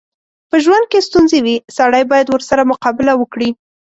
په ژوند کې ستونځې وي، سړی بايد ورسره مقابله وکړي.